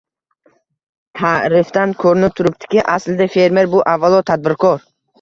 Ta’rifdan ko‘rinib turibdiki, aslida fermer bu avvalo — tadbirkor.